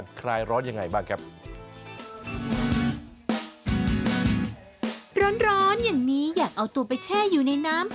ว่ายน้ำไหมหยับลงไปว่ายน้ำ